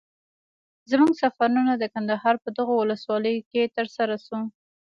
زموږ سفرونه د کندهار په دغو ولسوالیو کي تر سره سو.